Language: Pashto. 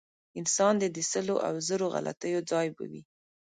انسان دی د سلو او زرو غلطیو ځای به وي.